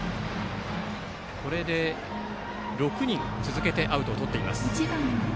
これで６人続けてアウトをとっています。